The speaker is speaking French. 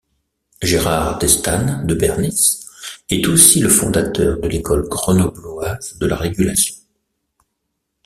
Gérard Destanne de Bernis est aussi le fondateur de l'école grenobloise de la régulation.